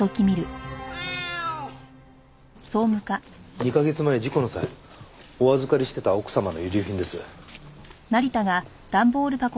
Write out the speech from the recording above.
２カ月前事故の際お預かりしていた奥様の遺留品です。